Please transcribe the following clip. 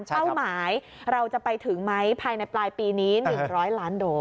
เป้าหมายเราจะไปถึงไหมภายในปลายปีนี้๑๐๐ล้านโดส